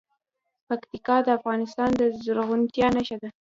پکتیکا د افغانستان د زرغونتیا نښه ده.